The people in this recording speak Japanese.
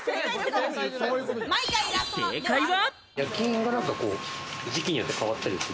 正解は。